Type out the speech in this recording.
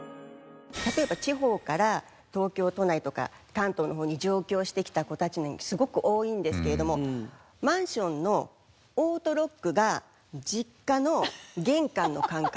例えば地方から東京都内とか関東の方に上京してきた子たちにすごく多いんですけれどもマンションのオートロックが実家の玄関の感覚。